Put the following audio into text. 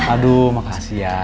aduh makasih ya